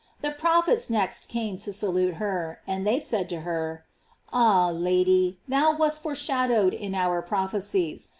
The prophets next came to salute her, and they said to her: Ah, Lady, thou wast foreshadowed in our prophecies.